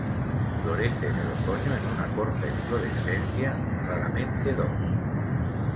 Florece en el otoño en una corta inflorescencia, raramente dos.